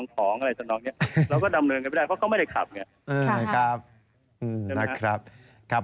เพราะเขาไม่เคยขับ